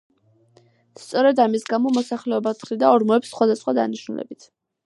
სწორედ ამის გამო მოსახლეობა თხრიდა ორმოებს სხვადასხვა დანიშნულებით.